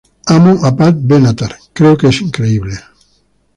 Amo a Pat Benatar, creo que es increíble.